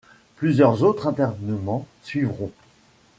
Plusieurs autres internements suivront.